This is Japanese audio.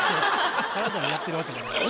原田にやってるわけじゃない。